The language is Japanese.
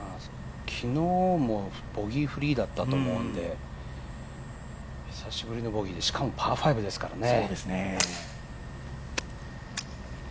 昨日もボギーフリーだったと思うので、久しぶりのボギーで、しかもパー５ですからね。